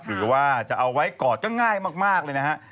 หรือว่าจะเอาไว้กอดก็ง่ายมากเลยนะฮะ